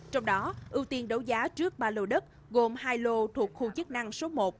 trong đó ưu tiên đấu giá trước ba lô đất gồm hai lô thuộc khu chức năng số một